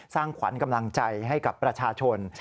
สร้างขวัญกำลังใจให้กับประชาชน